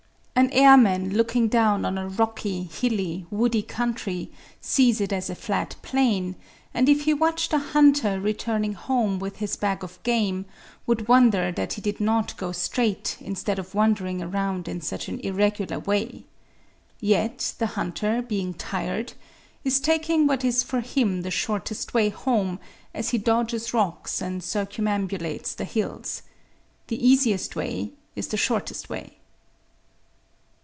An airman looking down on a rocky, hilly, woody country sees it as a flat plain and if he watched a hunter returning home with his bag of game would wonder that he did not go straight instead of wandering around in such an irregular way. Yet the hunter, being tired, 62 EASY LESSONS IN EINSTEIN is taking what is for him the shortest way home as he dodges rocks and circumambulates the hills. The easiest way is the shortest way.